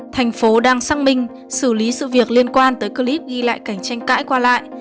thành phố đang xác minh xử lý sự việc liên quan tới clip ghi lại cảnh tranh cãi qua lại